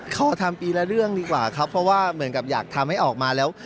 ขอทำปีละเรื่องดีกว่าครับเพราะว่าเหมือนกับอยากทำให้ออกมาแล้ว